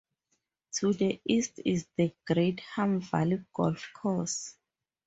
To the east is the Greetham Valley golf course.